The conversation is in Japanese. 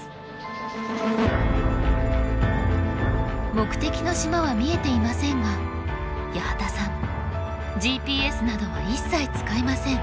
目的の島は見えていませんが八幡さんＧＰＳなどは一切使いません。